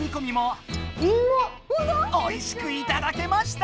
おいしくいただけました！